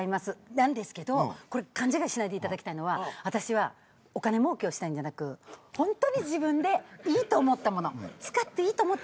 なんですけど勘違いしないでいただきたいのは私はお金もうけをしたいんじゃなくホントに自分で使っていいと思った物を。